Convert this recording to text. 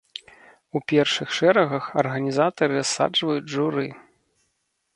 У першых шэрагах арганізатары рассаджваюць журы.